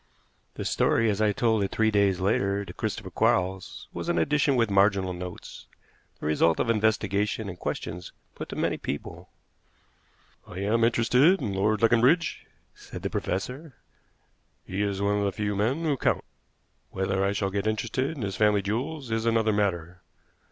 The story, as I told it three days later to Christopher Quarles, was an edition with marginal notes, the result of investigation and questions put to many people. "I am interested in Lord Leconbridge," said the professor; "he is one of the few men who count. Whether I shall get interested in his family jewels is another matter.